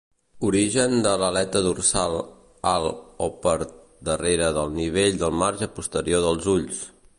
Origen de l'aleta dorsal al o per darrere del nivell del marge posterior dels ulls.